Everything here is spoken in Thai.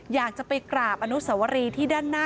อยากจะไปกราบอนุสวรีที่ด้านหน้า